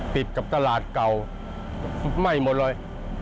ติดกับตลาดเก่าไหม้หมดเลย